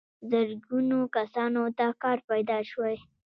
زرګونو کسانو ته کار پیدا شوی.